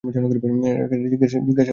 জিজ্ঞেস করো কেন করেছে।